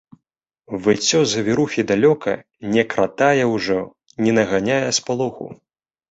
Выццё завірухі далёка, не кратае ўжо, не наганяе спалоху.